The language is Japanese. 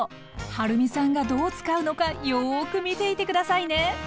はるみさんがどう使うのかよく見ていて下さいね！